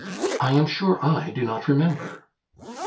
"I am sure I do not remember."